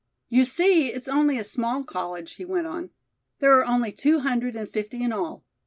"You see, it's only a small college," he went on. "There are only two hundred and fifty in all.